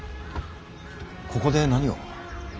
ここで何を。